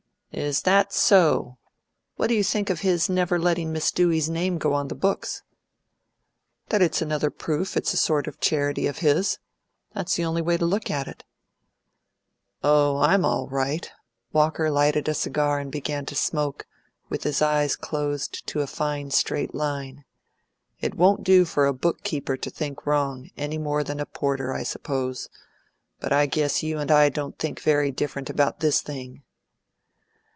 "Is that so? What do you think of his never letting Miss Dewey's name go on the books?" "That it's another proof it's a sort of charity of his. That's the only way to look at it." "Oh, I'M all right." Walker lighted a cigar and began to smoke, with his eyes closed to a fine straight line. "It won't do for a book keeper to think wrong, any more than a porter, I suppose. But I guess you and I don't think very different about this thing."